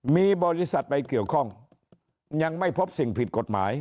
มีบริษัทไปเกี่ยวข้องยังไม่พบสิ่งผิดกฎหมาย